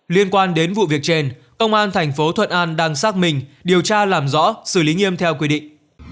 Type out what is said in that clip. liên quan đến vụ việc trên công an thành phố thuận an đang xác minh điều tra làm rõ xử lý nghiêm theo quy định